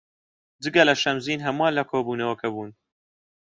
جگە لە شەمزین هەمووان لە کۆبوونەوەکە بوون.